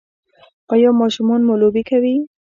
ایا ماشومان مو لوبې کوي؟